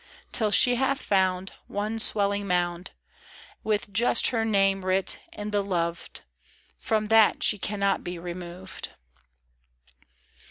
Till she hath found One swelling mound With just her name writ and beloved; From that she cannot be removed.